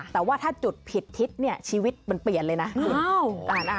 แต่ว่าถ้าจุดผิดทิศเนี่ยชีวิตมันเปลี่ยนเลยนะคุณ